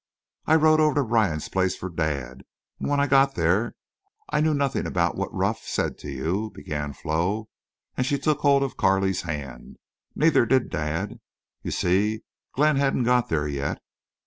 "I rode over to Ryan's place for dad, an' when I got there I knew nothing about what Ruff said to you," began Flo, and she took hold of Carley's hand. "Neither did dad. You see, Glenn hadn't got there yet.